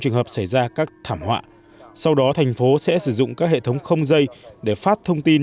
trường hợp xảy ra các thảm họa sau đó thành phố sẽ sử dụng các hệ thống không dây để phát thông tin